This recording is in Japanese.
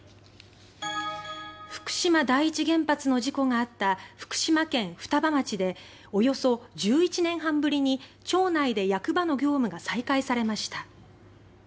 福島第一原発の事故があった福島県双葉町でおよそ１１年半ぶりに、町内で役場の業務が再開されました。